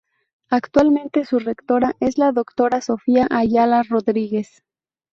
Actualmente su rectora es la Doctora Sofía Ayala Rodríguez.